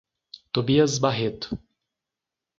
Tobias Barreto